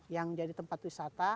yang jadi tempat wisata